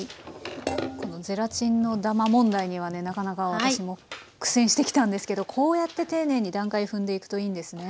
このゼラチンのダマ問題にはねなかなか私も苦戦してきたんですけどこうやって丁寧に段階踏んでいくといいんですね。